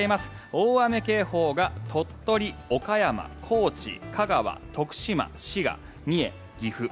大雨警報が鳥取、岡山、高知、香川徳島、滋賀、三重、岐阜。